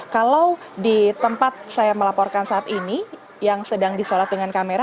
kalau di tempat saya melaporkan saat ini yang sedang disolat dengan kamera